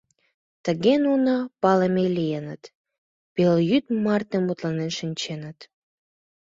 Тыге нуно палыме лийыныт, пелйӱд марте мутланен шинченыт.